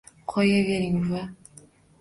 Qo‘yavering, buva!